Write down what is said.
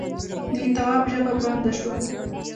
د تواب ژبه بنده شوه: